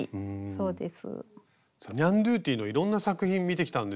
そうです。